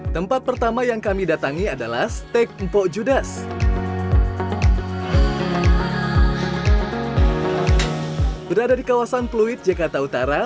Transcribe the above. tempat pertama yang kami datangi adalah steak mpok judas berada di kawasan pluit jakarta utara